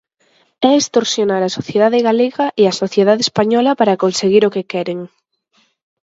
É extorsionar a sociedade galega e a sociedade española para conseguir o que queren.